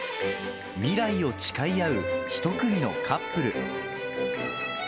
未来を誓い合う１組のカップル。